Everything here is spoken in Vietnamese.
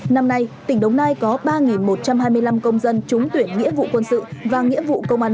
năm nay tỉnh đồng nai có ba một trăm hai mươi năm công dân trúng tuyển nghĩa vụ quân sự và nghĩa vụ công an nhân dân